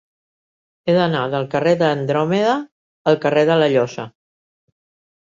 He d'anar del carrer d'Andròmeda al carrer de la Llosa.